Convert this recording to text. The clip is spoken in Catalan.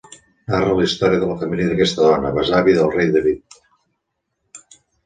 Narra la història de la família d'aquesta dona, besàvia del rei David.